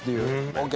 ＯＫ。